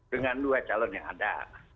dengan dua calon yang ada